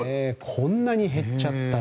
こんなに減っちゃった。